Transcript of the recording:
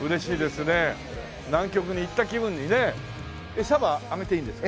エサはあげていいんですか？